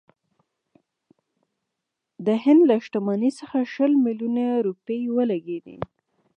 د هند له شتمنۍ څخه شل میلیونه روپۍ ولګېدې.